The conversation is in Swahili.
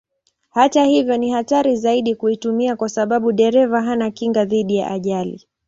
Hata hivyo ni hatari zaidi kuitumia kwa sababu dereva hana kinga dhidi ya ajali.